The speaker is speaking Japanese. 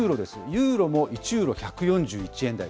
ユーロも１ユーロ１４１円台。